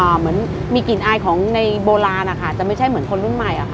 เหมือนมีกลิ่นอายของในโบราณเขาไม่ใช่เหมือนคนลุ่มใหม่